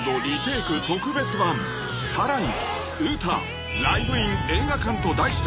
［さらに］